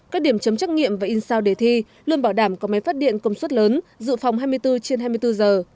các điểm chấm trắc nghiệm và in sao đề thi luôn bảo đảm có máy phát điện công suất lớn dự phòng hai mươi bốn trên hai mươi bốn giờ